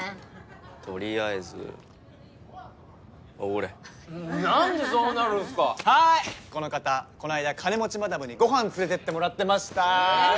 とりあえずおごれなんでそうなるんすかはいこの方こないだ金持ちマダムにごはん連れてってもらってましたえっ？